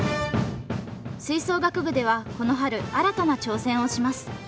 吹奏楽部ではこの春新たな挑戦をします。